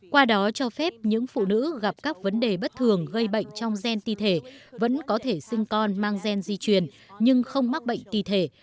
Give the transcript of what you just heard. qua đó cho phép những phụ nữ gặp các vấn đề bất thường gây bệnh trong gen ti thể vẫn có thể sinh con mang gen di truyền nhưng không mắc bệnh ti thể